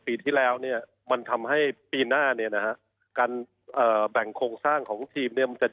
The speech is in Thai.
ปีที่แล้วเนี่ยมันทำให้ปีหน้าเนี่ยนะฮะการเอ่อแบ่งโครงสร้างของทีมเนี่ยมันจะ